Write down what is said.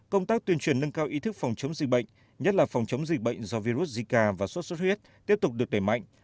công tác tuyên truyền nâng cao ý thức phòng chống dịch bệnh nhất là phòng chống dịch bệnh do virus zika và sốt xuất huyết tiếp tục được đẩy mạnh